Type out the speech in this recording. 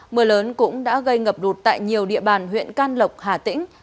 mưa lớn cũng đã gây ngập lụt tại nhiều địa bàn huyện can lộc hà tĩnh